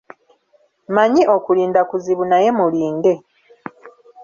Mmanyi okulinda kuzibu naye mulinde.